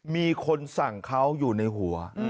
มีคนสั่งเขาอยู่ในหัว